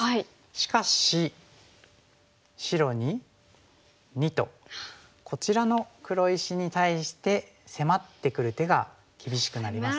しかし白に②とこちらの黒石に対して迫ってくる手が厳しくなりますね。